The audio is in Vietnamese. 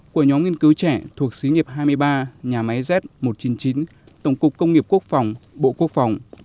của nhóm nghiên cứu trẻ thuộc xí nghiệp hai mươi ba nhà máy z một trăm chín mươi chín tổng cục công nghiệp quốc phòng bộ quốc phòng